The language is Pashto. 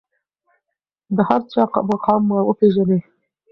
د هر چا مقام وپیژنئ.